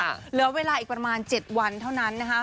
เหลือเวลาอีกประมาณ๗วันเท่านั้นนะคะ